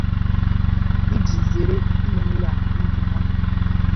iji zèèré imemìlà ndụ ha.